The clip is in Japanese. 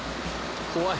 怖い。